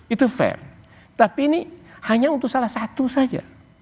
itu fair tapi ini hanya untuk salah satu saja